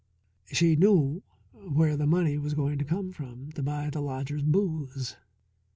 She knew where the money was going to come from to buy the lodger's booze.